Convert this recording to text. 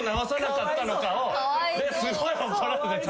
すごい怒られてた。